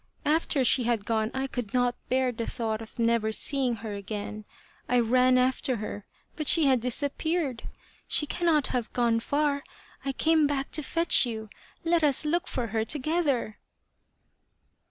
After she had gone I could not bear the thought of never seeing her again. I ran after her, but she had disappeared ! She cannot have gone far. I came back to fetch you. Let us look for her together."